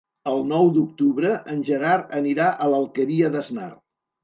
El nou d'octubre en Gerard anirà a l'Alqueria d'Asnar.